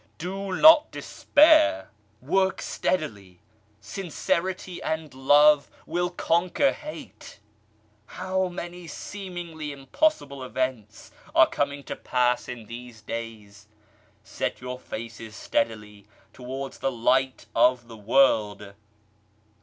Do not despair ! Work steadily. Sincerity and Love will conquer Hate. How many seemingly im possible events are coming to pass in these days ! Set your faces steadily towards the Light of the World.